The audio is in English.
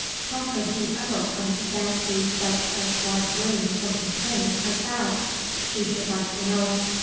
How could he ever come to fancy such a quadroon looking thing as that, she should like to know?